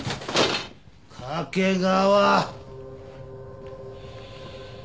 掛川！